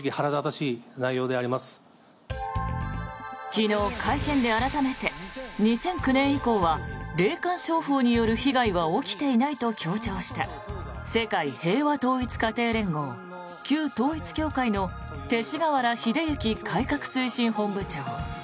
昨日、会見で改めて２００９年以降は霊感商法による被害は起きていないと強調した世界平和統一家庭連合旧統一教会の勅使河原秀行改革推進本部長。